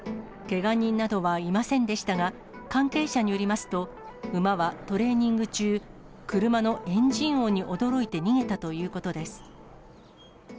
けが人などはいませんでしたが、関係者によりますと、馬はトレーニング中、車のエンジン音に驚いて逃げたということです。